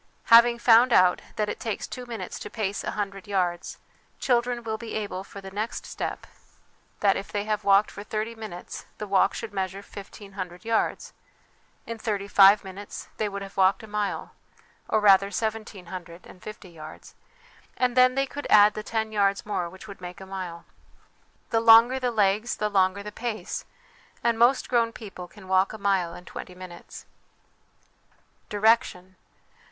Having found out that it takes two minutes to pace a hundred yards, children will be able for the next step that if they have 74 HOME EDUCATION walked for thirty minutes, the walk should measure fifteen hundred yards ; in thirty five minutes they would have walked a mile, or rather seventeen hundred and fifty yards, and then they could add the ten yards more which would make a mile. The longer the legs the longer the pace, and most grown people can walk a mile in twenty minutes. Direction.